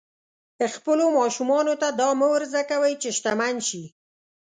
خپلو ماشومانو ته دا مه ور زده کوئ چې شتمن شي.